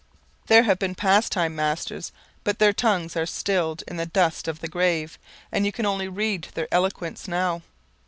There have been past time masters but their tongues are stilled in the dust of the grave, and you can only read their eloquence now.